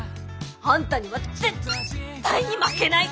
あんたには絶対に負けない！